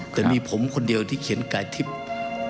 แต่มีผมคนเดียวที่เขียนกายทิพย์